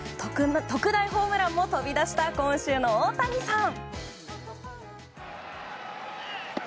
特大ホームランも飛び出した今週の大谷さん！